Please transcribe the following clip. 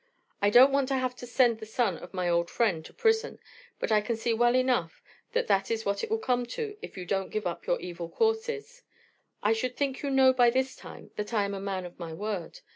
I don't want to have to send the son of my old friend to prison, but I can see well enough that that is what it will come to if you don't give up your evil courses. I should think you know by this time that I am a man of my word.